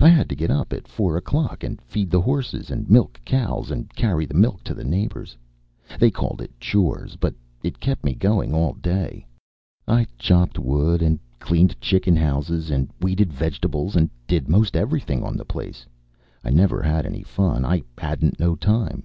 I had to get up at four o'clock and feed the horses, and milk cows, and carry the milk to the neighbours. They called it chores, but it kept me going all day. I chopped wood, and cleaned chicken houses, and weeded vegetables, and did most everything on the place. I never had any fun. I hadn't no time.